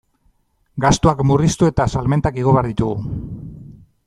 Gastuak murriztu eta salmentak igo behar ditugu.